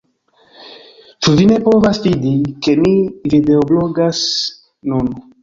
Ĉu vi ne povas vidi, ke mi videoblogas nun